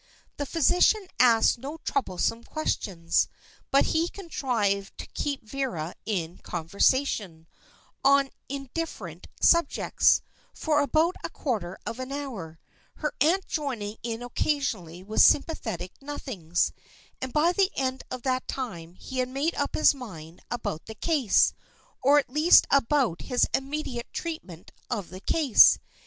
The physician asked no troublesome questions; but he contrived to keep Vera in conversation on indifferent subjects for about a quarter of an hour, her aunt joining in occasionally with sympathetic nothings; and by the end of that time he had made up his mind about the case, or at least about his immediate treatment of the case.